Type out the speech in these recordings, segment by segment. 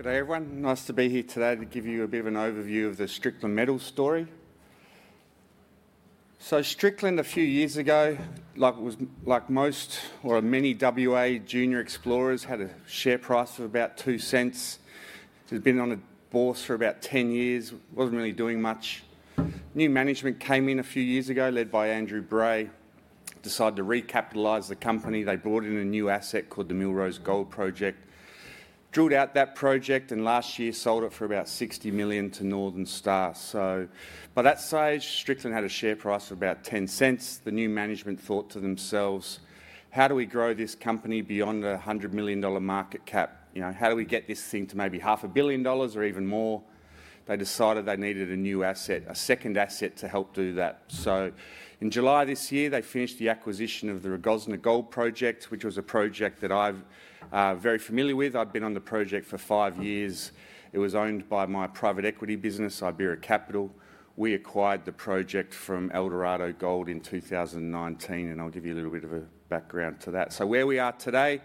G'day, everyone. Nice to be here today to give you a bit of an overview of the Strickland Metals story. So, Strickland, a few years ago, like most or many WA junior explorers, had a share price of about 0.02. It had been on a bourse for about 10 years, wasn't really doing much. New management came in a few years ago, led by Andrew Bray, decided to recapitalize the company. They brought in a new asset called the Millrose Gold Project, drilled out that project, and last year sold it for about 60 million to Northern Star. So, by that stage, Strickland had a share price of about 0.10. The new management thought to themselves, "How do we grow this company beyond a 100 million dollar market cap? You know, how do we get this thing to maybe 500 million dollars or even more?" They decided they needed a new asset, a second asset to help do that. So, in July this year, they finished the acquisition of the Rogozna Gold Project, which was a project that I'm very familiar with. I've been on the project for five years. It was owned by my private equity business, Ibaera Capital. We acquired the project from Eldorado Gold in 2019, and I'll give you a little bit of a background to that. So, where we are today,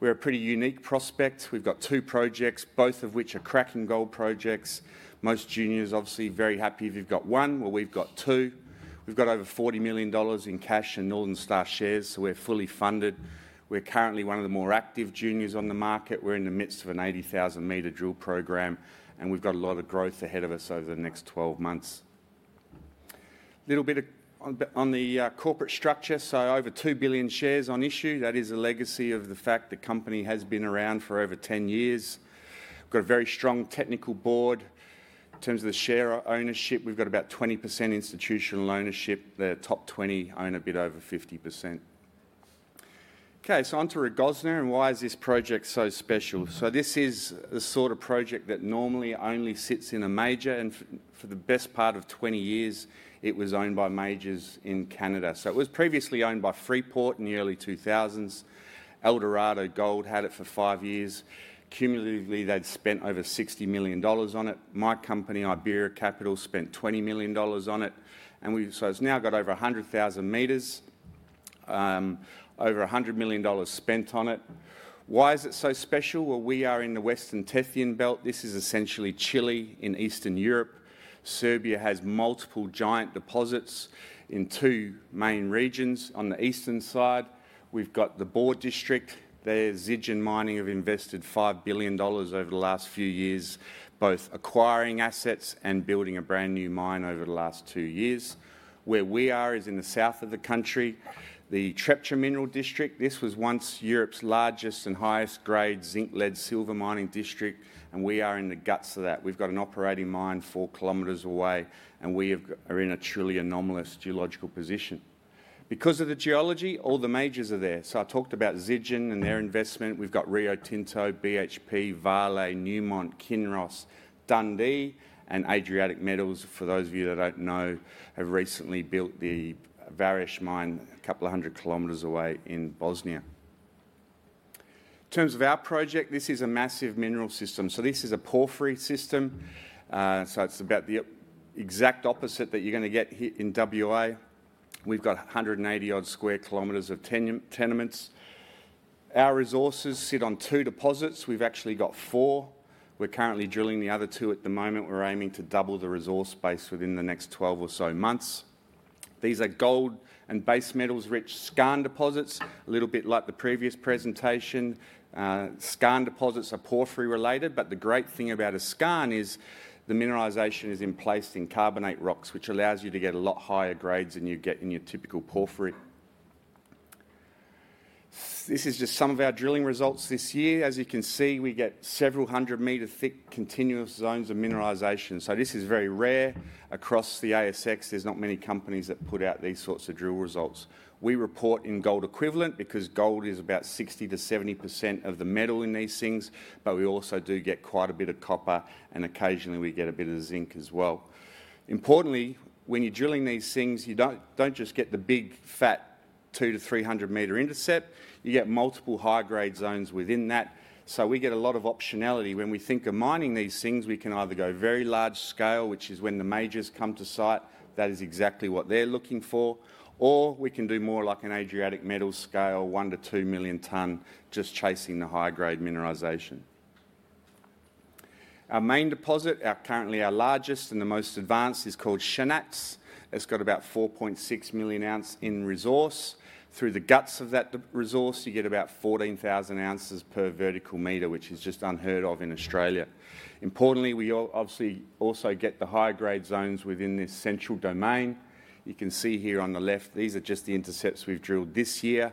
we're a pretty unique prospect. We've got two projects, both of which are cracking gold projects. Most juniors, obviously, very happy if you've got one. Well, we've got two. We've got over 40 million dollars in cash in Northern Star shares, so we're fully funded. We're currently one of the more active juniors on the market. We're in the midst of an 80,000-meter drill program, and we've got a lot of growth ahead of us over the next 12 months. A little bit on the corporate structure: so, over 2 billion shares on issue. That is a legacy of the fact the company has been around for over 10 years. We've got a very strong technical board. In terms of the share ownership, we've got about 20% institutional ownership. The top 20 own a bit over 50%. Okay, so on to Rogozna. And why is this project so special? So, this is the sort of project that normally only sits in a major, and for the best part of 20 years, it was owned by majors in Canada. So, it was previously owned by Freeport in the early 2000s. Eldorado Gold had it for five years. Cumulatively, they'd spent over $60 million on it. My company, Ibaera Capital, spent $20 million on it. And so, it's now got over 100,000 meters, over $100 million spent on it. Why is it so special? We are in the Western Tethyan Belt. This is essentially Chile in Eastern Europe. Serbia has multiple giant deposits in two main regions. On the eastern side, we've got the Bor District. There, Zijin Mining have invested $5 billion over the last few years, both acquiring assets and building a brand new mine over the last two years. Where we are is in the south of the country, the Trepča Mineral District. This was once Europe's largest and highest-grade zinc-lead-silver mining district, and we are in the guts of that. We've got an operating mine 4 kilometers away, and we are in a truly anomalous geological position. Because of the geology, all the majors are there. So, I talked about Zijin and their investment. We've got Rio Tinto, BHP, Vale, Newmont, Kinross, Dundee, and Adriatic Metals, for those of you that don't know, have recently built the Vares mine a couple of hundred kilometers away in Bosnia. In terms of our project, this is a massive mineral system. So, this is a porphyry system. So, it's about the exact opposite that you're going to get in WA. We've got a hundred and eighty-odd square kilometers of tenements. Our resources sit on two deposits. We've actually got four. We're currently drilling the other two at the moment. We're aiming to double the resource base within the next twelve or so months. These are gold and base metals-rich skarn deposits, a little bit like the previous presentation. Skarn deposits are porphyry-related, but the great thing about a skarn is the mineralization is in place in carbonate rocks, which allows you to get a lot higher grades than you get in your typical porphyry. This is just some of our drilling results this year. As you can see, we get several hundred meter thick continuous zones of mineralization. So, this is very rare across the ASX. There's not many companies that put out these sorts of drill results. We report in gold equivalent because gold is about 60%-70% of the metal in these things, but we also do get quite a bit of copper, and occasionally we get a bit of zinc as well. Importantly, when you're drilling these things, you don't just get the big, fat 200-300 meter intercept. You get multiple high-grade zones within that. So, we get a lot of optionality. When we think of mining these things, we can either go very large scale, which is when the majors come to sight. That is exactly what they're looking for. Or we can do more like an Adriatic Metals scale, 1-2 million tons, just chasing the high-grade mineralization. Our main deposit, currently our largest and the most advanced, is called Shanac. It's got about 4.6 million ounces in resource. Through the guts of that resource, you get about 14,000 ounces per vertical meter, which is just unheard of in Australia. Importantly, we obviously also get the high-grade zones within this central domain. You can see here on the left, these are just the intercepts we've drilled this year.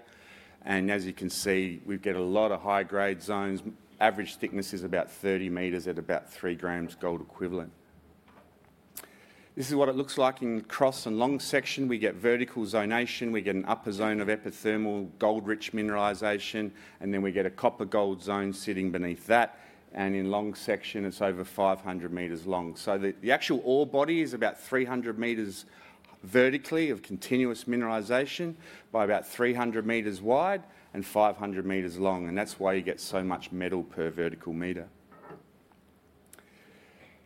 And as you can see, we've got a lot of high-grade zones. Average thickness is about 30 meters at about 3 grams gold equivalent. This is what it looks like in cross and long section. We get vertical zonation. We get an upper zone of epithermal gold-rich mineralization, and then we get a copper-gold zone sitting beneath that. And in long section, it's over 500 meters long. So, the actual ore body is about 300 meters vertically of continuous mineralization, by about 300 meters wide and 500 meters long. And that's why you get so much metal per vertical meter.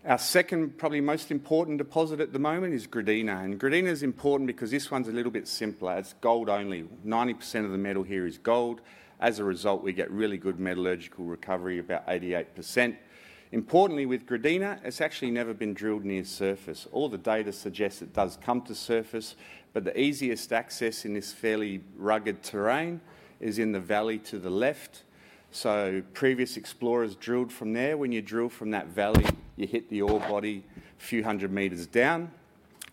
Our second, probably most important deposit at the moment is Gradina. And Gradina is important because this one's a little bit simpler. It's gold only. 90% of the metal here is gold. As a result, we get really good metallurgical recovery, about 88%. Importantly, with Gradina, it's actually never been drilled near surface. All the data suggests it does come to surface, but the easiest access in this fairly rugged terrain is in the valley to the left. So, previous explorers drilled from there. When you drill from that valley, you hit the ore body a few hundred meters down.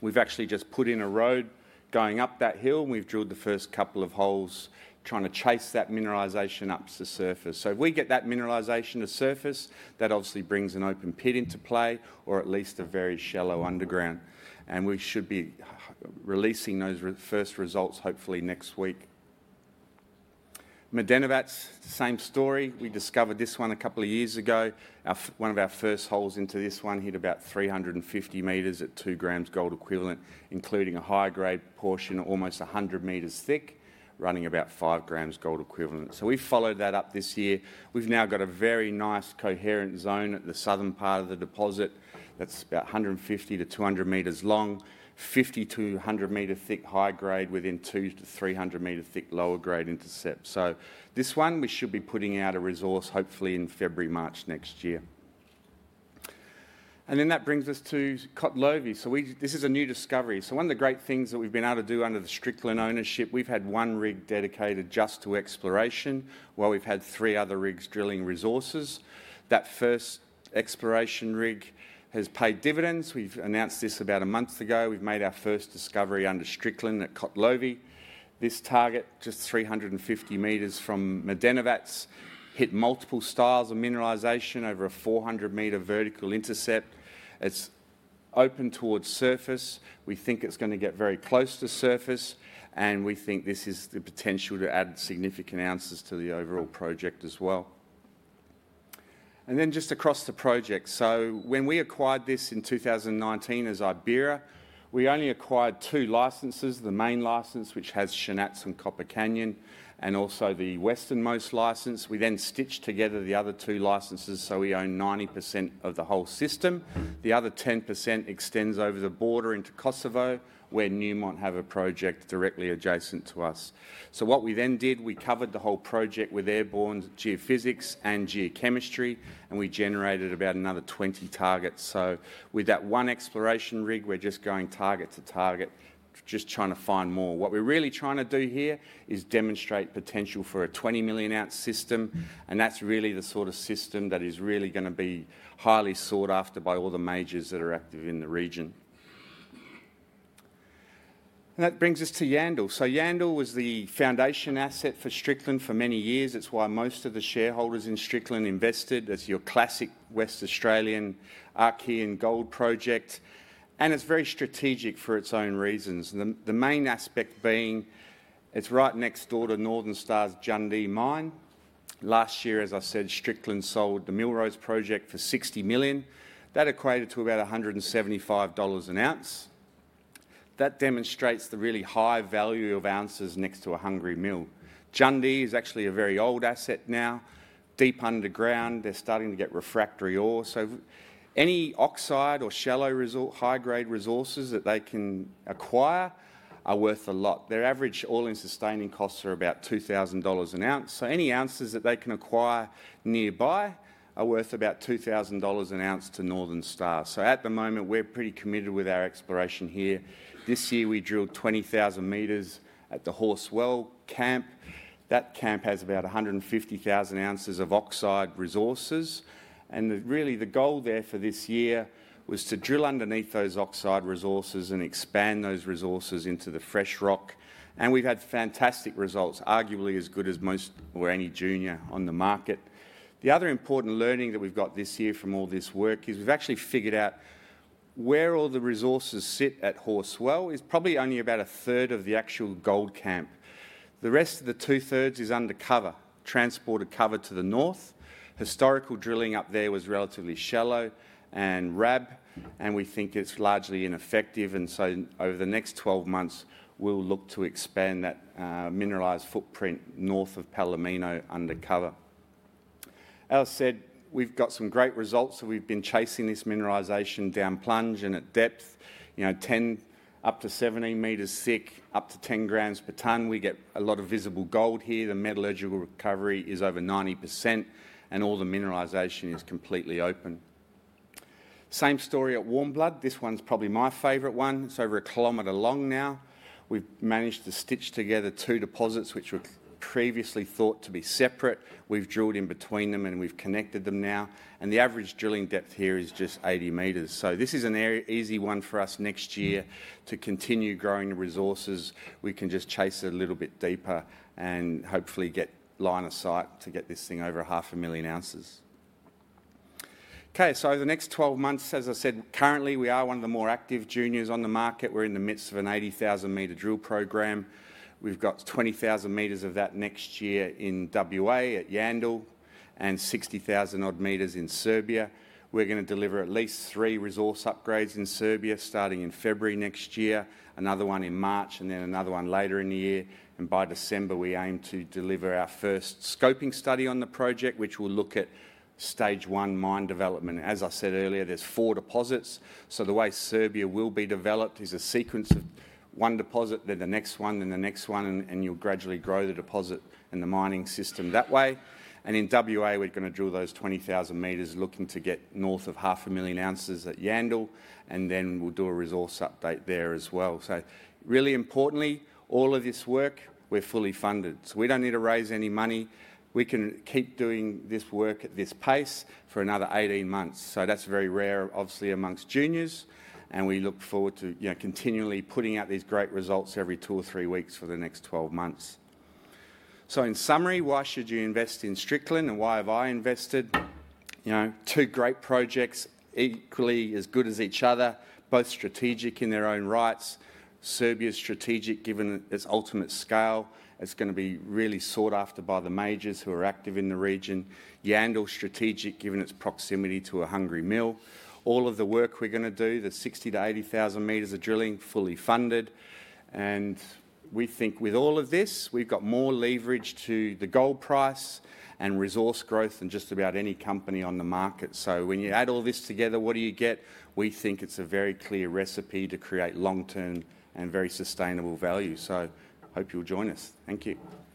We've actually just put in a road going up that hill, and we've drilled the first couple of holes trying to chase that mineralization up to surface. So, if we get that mineralization to surface, that obviously brings an open pit into play, or at least a very shallow underground. We should be releasing those first results hopefully next week. Medenovac, same story. We discovered this one a couple of years ago. One of our first holes into this one hit about 350 meters at 2 grams gold equivalent, including a high-grade portion almost 100 meters thick, running about 5 grams gold equivalent. We've followed that up this year. We've now got a very nice coherent zone at the southern part of the deposit. That's about 150-200 meters long, 50-100 meters thick high-grade within 200-300 meters thick lower-grade intercepts. This one, we should be putting out a resource hopefully in February/March next year. And then that brings us to Kotlovi. This is a new discovery. One of the great things that we've been able to do under the Strickland ownership, we've had one rig dedicated just to exploration, while we've had three other rigs drilling resources. That first exploration rig has paid dividends. We've announced this about a month ago. We've made our first discovery under Strickland at Kotlovi. This target, just 350 meters from Medenovac, hit multiple styles of mineralization over a 400-meter vertical intercept. It's open towards surface. We think it's going to get very close to surface, and we think this is the potential to add significant ounces to the overall project as well. Then just across the project, so when we acquired this in 2019 as Ibaera, we only acquired two licenses: the main license, which has Shanac and Copper Canyon, and also the westernmost license. We then stitched together the other two licenses, so we own 90% of the whole system. The other 10% extends over the border into Kosovo, where Newmont have a project directly adjacent to us. What we then did, we covered the whole project with airborne geophysics and geochemistry, and we generated about another 20 targets. With that one exploration rig, we're just going target to target, just trying to find more. What we're really trying to do here is demonstrate potential for a 20 million ounce system, and that's really the sort of system that is really going to be highly sought after by all the majors that are active in the region. That brings us to Yandal. Yandal was the foundation asset for Strickland for many years. It's why most of the shareholders in Strickland invested. It's your classic Western Australian Archean gold project. It's very strategic for its own reasons. The main aspect being, it's right next door to Northern Star's Jundee mine. Last year, as I said, Strickland sold the Millrose project for 60 million. That equated to about $175 an ounce. That demonstrates the really high value of ounces next to a hungry mill. Jundee is actually a very old asset now, deep underground. They're starting to get refractory ore. So, any oxide or shallow high-grade resources that they can acquire are worth a lot. Their average all-in sustaining costs are about $2,000 an ounce. So, any ounces that they can acquire nearby are worth about $2,000 an ounce to Northern Star, so at the moment, we're pretty committed with our exploration here. This year, we drilled 20,000 meters at the Horse Well Gold Camp. That camp has about 150,000 ounces of oxide resources, and really, the goal there for this year was to drill underneath those oxide resources and expand those resources into the fresh rock. We've had fantastic results, arguably as good as most or any junior on the market. The other important learning that we've got this year from all this work is we've actually figured out where all the resources sit at Horse Well is probably only about a third of the actual gold camp. The rest of the two-thirds is undercover, transported cover to the north. Historical drilling up there was relatively shallow and RABbed, and we think it's largely ineffective. Over the next 12 months, we'll look to expand that mineralized footprint north of Palomino undercover. As I said, we've got some great results. We've been chasing this mineralization down plunge and at depth, you know, 10-17 meters thick, up to 10 grams per ton. We get a lot of visible gold here. The metallurgical recovery is over 90%, and all the mineralization is completely open. Same story at Warmblood. This one's probably my favorite one. It's over a kilometer long now. We've managed to stitch together two deposits, which were previously thought to be separate. We've drilled in between them, and we've connected them now, and the average drilling depth here is just 80 meters, so this is an easy one for us next year to continue growing the resources. We can just chase it a little bit deeper and hopefully get line of sight to get this thing over 500,000 ounces. Okay, so the next 12 months, as I said, currently we are one of the more active juniors on the market. We're in the midst of an 80,000-meter drill program. We've got 20,000 meters of that next year in WA at Yandal and 60,000 odd meters in Serbia. We're going to deliver at least three resource upgrades in Serbia starting in February next year, another one in March, and then another one later in the year, and by December, we aim to deliver our first scoping study on the project, which will look at stage one mine development. As I said earlier, there's four deposits, so the way Serbia will be developed is a sequence of one deposit, then the next one, then the next one, and you'll gradually grow the deposit and the mining system that way, and in WA, we're going to drill those 20,000 meters looking to get north of 500,000 ounces at Yandal, and then we'll do a resource update there as well. Really importantly, all of this work, we're fully funded. We don't need to raise any money. We can keep doing this work at this pace for another 18 months. That's very rare, obviously, among juniors. We look forward to continually putting out these great results every two or three weeks for the next 12 months. In summary, why should you invest in Strickland and why have I invested? You know, two great projects, equally as good as each other, both strategic in their own rights. Serbia's strategic, given its ultimate scale. It's going to be really sought after by the majors who are active in the region. Yandal's strategic, given its proximity to a hungry mill. All of the work we're going to do, the 60 to 80 thousand meters of drilling, fully funded. We think with all of this, we've got more leverage to the gold price and resource growth than just about any company on the market. So, when you add all this together, what do you get? We think it's a very clear recipe to create long-term and very sustainable value. Hope you'll join us. Thank you.